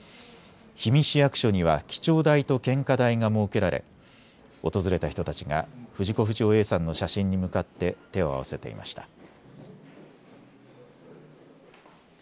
氷見市役所には記帳台と献花台が設けられ訪れた人たちが藤子不二雄Ａさんの写真に向かって手を合わせていました。